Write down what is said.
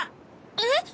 えっ？